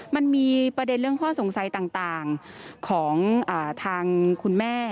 มันมีประเด็นเรื่องข้อสงสัยต่างของทางคุณแม่